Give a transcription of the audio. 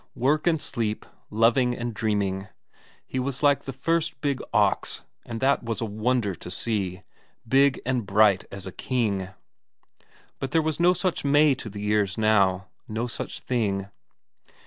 Work and sleep, loving and dreaming, he was like the first big ox, and that was a wonder to see, big and bright as a king. But there was no such May to the years now. No such thing.